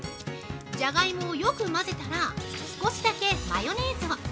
ジャガイモをよく混ぜたら少しだけマヨネーズを。